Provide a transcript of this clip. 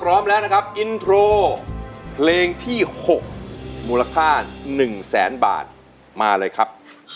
พร้อมแล้วนะครับอินโทรเพลงที่๖มูลค่า๑แสนบาทมาเลยครับ